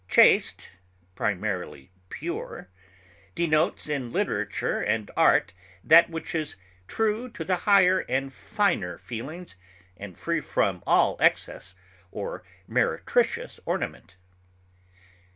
Chaste (primarily pure), denotes in literature and art that which is true to the higher and finer feelings and free from all excess or meretricious ornament.